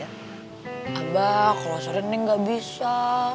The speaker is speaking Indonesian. abah kalau sore neng gak bisa